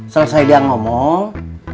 selesai dia ngomong